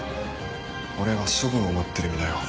俺は処分を待ってる身だよ。